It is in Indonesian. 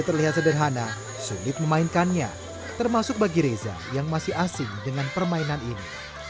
terlihat sederhana sulit memainkannya termasuk bagi reza yang masih asing dengan permainan ini